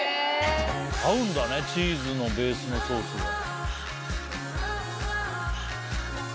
合うんだねチーズのベースのソースが。